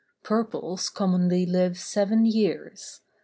Purples commonly live seven years.